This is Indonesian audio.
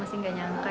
masih gak nyangka